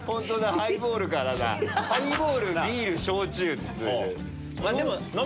ハイボールビール焼酎。